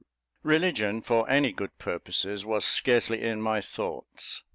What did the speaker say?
Religion, for any good purposes, was scarcely in my thoughts.